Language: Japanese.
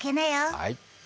はい。